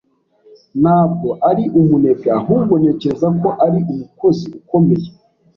Ntabwo ari umunebwe. Ahubwo, ntekereza ko ari umukozi ukomeye.